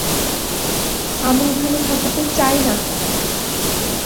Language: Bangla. আমি এখানে থাকিতে চাই না।